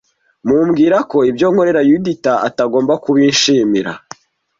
mubwira ko ibyo nkorera Yudita atagomba kubinshimira